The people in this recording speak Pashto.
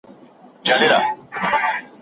سازمانونه ولي په ګډه اقتصادي همکاري کوي؟